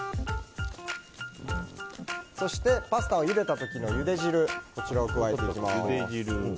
そして、パスタをゆでた時のゆで汁を加えていきます。